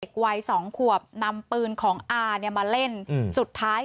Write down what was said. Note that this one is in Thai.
วัยสองขวบนำปืนของอาเนี่ยมาเล่นอืมสุดท้าย